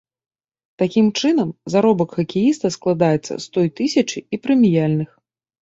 Такім чынам, заробак хакеіста складаецца з той тысячы і прэміяльных.